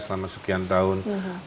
selama sekian tahun